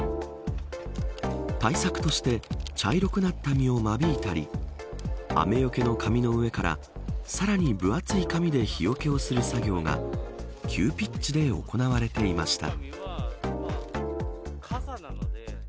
対策として茶色くなった実を間引いたり雨よけの紙の上からさらに分厚い紙で日よけをする作業が急ピッチで行われていました。